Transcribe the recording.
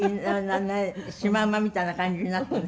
シマウマみたいな感じになって。